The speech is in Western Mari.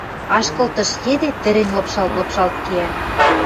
Ашкылтыш йӹде тӹрӹнь лыпшалт-лыпшалт кеӓ.